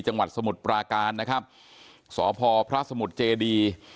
สมุทรปราการนะครับสพพระสมุทรเจดี